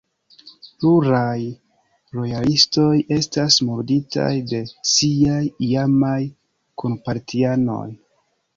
Pluraj lojalistoj estas murditaj de siaj iamaj kunpartianoj.